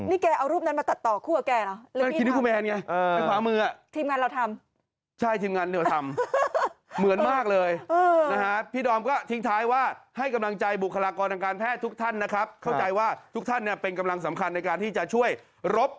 นี่แกเอารูปนั้นมาตัดต่อคู่กับแกเหรอ